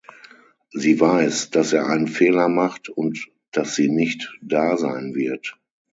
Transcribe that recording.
Sie weiß, dass er einen Fehler macht und dass sie nicht da sein wird.